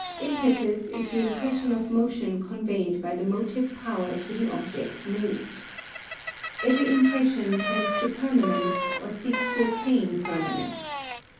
Impetus is the impression of motion conveyed by the motive power to the object moved. Every impression tends to permanence or seeks to attain permanence.